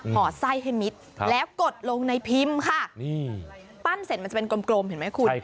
ห่อไส้ให้มิดแล้วกดลงในพิมพ์ค่ะนี่ปั้นเสร็จมันจะเป็นกลมเห็นไหมคุณ